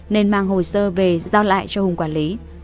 nên mang hồ sơ về giao lại cho hùng quản lý